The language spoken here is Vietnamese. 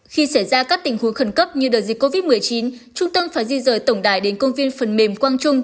khi xảy ra các tình huống khẩn cấp như đợt dịch covid một mươi chín trung tâm phải di rời tổng đài đến công viên phần mềm quang trung